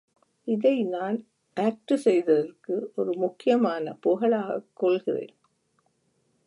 இதை நான் ஆக்டு செய்ததற்கு, ஒரு முக்கியமான புகழாகக் கொள்கிறேன்.